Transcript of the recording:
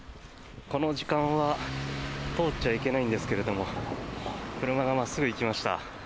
この時間は通っちゃいけないんですけれども車が真っすぐ行きました。